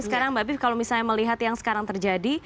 sekarang mbak bip kalau misalnya melihat yang sekarang terjadi